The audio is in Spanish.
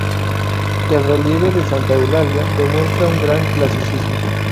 El relieve de santa Eulalia, demuestra un gran clasicismo.